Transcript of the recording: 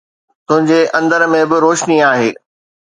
تنهنجي اندر ۾ به روشني آهي